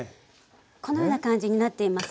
このような感じになっています。